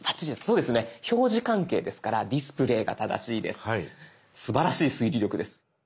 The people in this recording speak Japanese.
すばらしい推理力です。